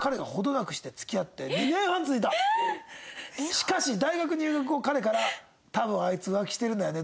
しかし大学入学後彼から「多分あいつ浮気してるんだよね。